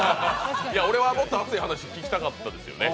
俺はもっと熱い話、聞きたかったですよね。